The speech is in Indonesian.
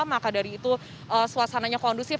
maka dari itu suasananya kondusif